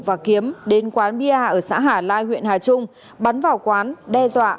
và kiếm đến quán bia ở xã hà lai huyện hà trung bắn vào quán đe dọa